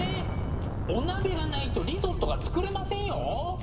お鍋がないとリゾットが作れませんよ。